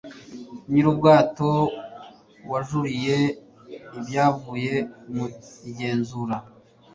nyirubwato wajuririye ibyavuye mu igenzura